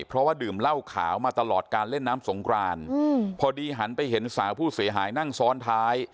เพราะว่าดื่มเหล้าขาวมาตลอดการเล่นน้ำสงครานพอดีหันไปเห็นสาวผู้เสียหายนั่งซ้อนท้าย